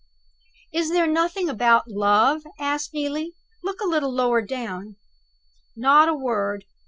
"Is there nothing about Love?" asked Neelie. "Look a little lower down." "Not a word.